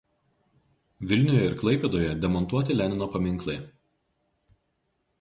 Vilniuje ir Klaipėdoje demontuoti Lenino paminklai.